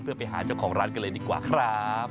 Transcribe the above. เพื่อไปหาเจ้าของร้านกันเลยดีกว่าครับ